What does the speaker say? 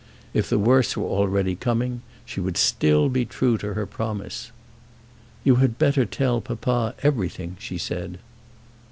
If the worse were already coming she would still be true to her promise. "You had better tell papa everything," she said.